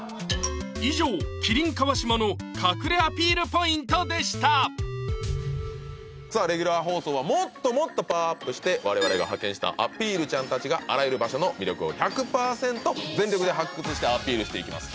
以上「麒麟」・川島の隠れアピールポイントでしたさあレギュラー放送はもっともっとパワーアップして我々が派遣したアピールちゃんたちがあらゆる場所の魅力を１００％全力で発掘してアピールしていきます